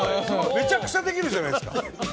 めちゃくちゃできるじゃないですか！